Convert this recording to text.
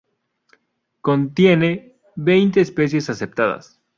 Contiene veinte especies aceptadas.